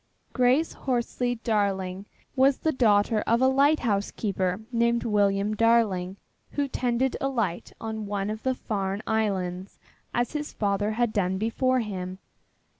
Grace Horsley Darling was the daughter of a lighthouse keeper named William Darling, who tended a light on one of the Farne Islands as his father had done before him.